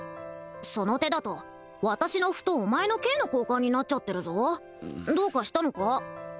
その手だと私の歩とお前の桂の交換になっちゃってるぞどうかしたのか？